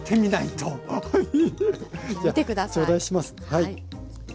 はい。